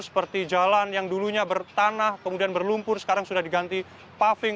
seperti jalan yang dulunya bertanah kemudian berlumpur sekarang sudah diganti paving